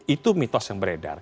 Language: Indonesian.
itu mitos yang beredar